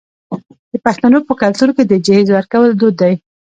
د پښتنو په کلتور کې د جهیز ورکول دود دی.